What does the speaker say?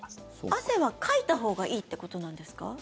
汗はかいたほうがいいってことなんですか？